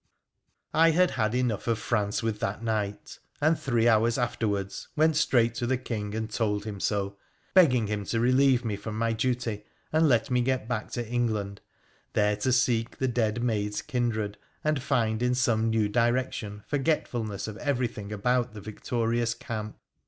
I bad had enough of France with that night, and three hours afterwards went straight to the King and told him so, begging him to relieve me from my duty and let me get back to England, there to seek the dead maid's kindred, and find in some new direction forgetfulness of everything about tbo victorious camp.